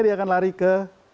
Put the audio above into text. dia akan lari ke